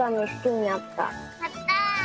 やった！